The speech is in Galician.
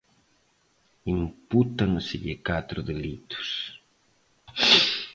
Impútanselle catro delitos.